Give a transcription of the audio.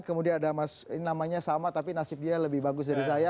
kemudian ada mas namanya sama tapi nasib dia lebih bagus dari saya